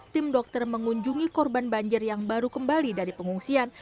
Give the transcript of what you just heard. tim dokter mengunjungi korban banjir yang baru kembali dari pengungsian